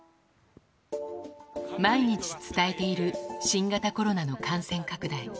毎日伝えている、新型コロナの感染拡大。